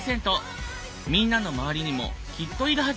みんなの周りにもきっといるはず。